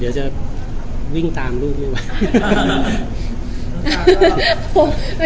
เดี๋ยวจะวิ่งตามรูปนี่ไว้